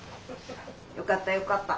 よかったよかった。